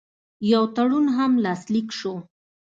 یو تړون هم لاسلیک شو.